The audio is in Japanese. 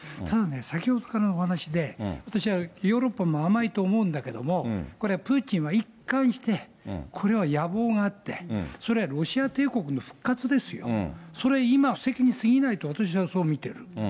ただね、先ほどからのお話で、私はヨーロッパも甘いと思うんだけども、これはプーチンは一貫して、これは野望があって、それはロシア帝国の復活ですよ。それは今は、布石にすぎないと私はそう見てる。